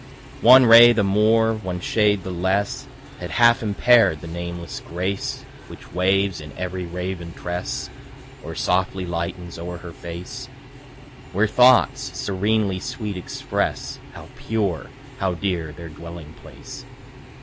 One ray the more, one shade the less Had half impaired the nameless grace Which waves in every raven tress Or softly lightens o'er her face, Where thoughts serenely sweet express How pure, how dear their dwelling place.